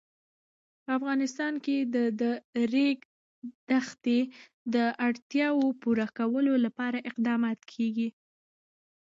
په افغانستان کې د د ریګ دښتې د اړتیاوو پوره کولو لپاره اقدامات کېږي.